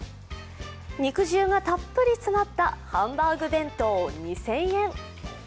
肉汁がたっぷり詰まったハンバーグ弁当２０００円。